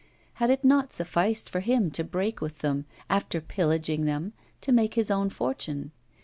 Had it not sufficed for him to break with them, after pillaging them, to make his own fortune?